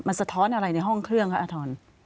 มันสะท้อนอะไรในห้องเครื่องอัธรรณ